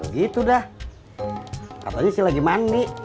gitu dah katanya sih lagi mandi